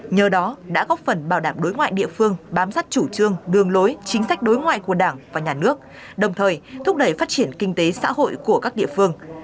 nhờ đó đã góp phần bảo đảm đối ngoại địa phương bám sát chủ trương đường lối chính sách đối ngoại của đảng và nhà nước đồng thời thúc đẩy phát triển kinh tế xã hội của các địa phương